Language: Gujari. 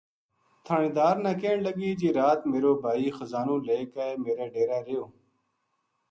تھہانیدار نا کہن لگی جی رات میرو بھائی خزانو لے کے میرے ڈیرے رہیو